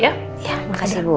iya makasih bu